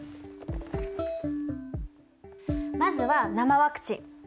まずは生ワクチン。